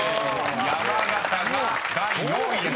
「山形」が第４位です］